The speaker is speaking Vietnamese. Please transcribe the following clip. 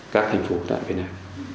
các thành phố tại việt nam